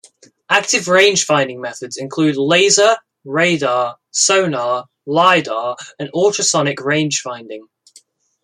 Active rangefinding methods include laser, radar, sonar, lidar and ultrasonic rangefinding.